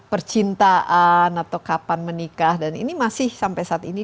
percintaan atau kapan menikah dan ini masih sampai saat ini